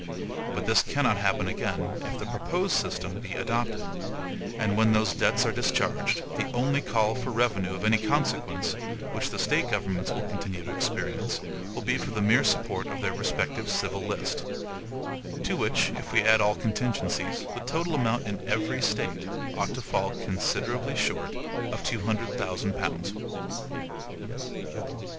But this cannot happen again, if the proposed system be adopted; and when these debts are discharged, the only call for revenue of any consequence, which the State governments will continue to experience, will be for the mere support of their respective civil list; to which, if we add all contingencies, the total amount in every State ought to fall considerably short of two hundred thousand pounds.